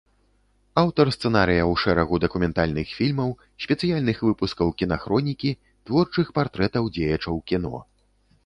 Аўтар сцэнарыяў шэрагу дакументальных фільмаў, спецыяльных выпускаў кінахронікі, творчых партрэтаў дзеячаў кіно.